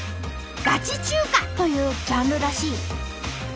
「ガチ中華」というジャンルらしい。